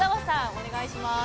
お願いします